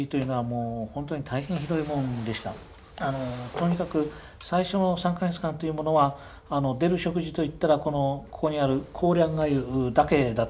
とにかく最初の３か月間というものは出る食事といったらここにあるコーリャンがゆだけだったそうです。